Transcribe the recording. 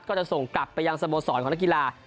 ก็จะส่งกลับไปยังสโมสรของนักกีฬา